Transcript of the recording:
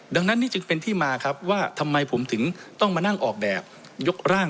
ดังนั้นนี่จึงเป็นที่มาครับว่าทำไมผมถึงต้องมานั่งออกแบบยกร่าง